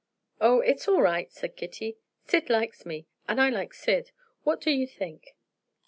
"Oh, it's all right," said Kitty. "Syd likes me, and I like Syd. What do you think?